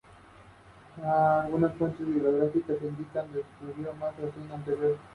Colaboró con Rigoberto Cruz y Víctor Tirado López.